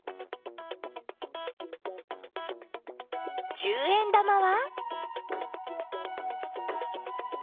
十円玉は？